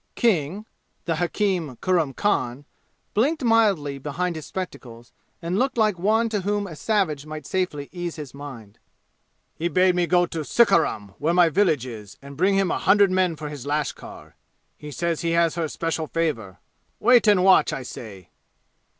King the hakim Kurram Khan blinked mildly behind his spectacles and looked like one to whom a savage might safely ease his mind. "He bade me go to Sikaram where my village is and bring him a hundred men for his lashkar. He says he has her special favor. Wait and watch, I say!